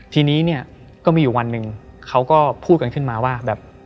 ทีนี้เนี่ยก็มีอยู่วันหนึ่งเขาก็พูดกันขึ้นมาว่าแบบ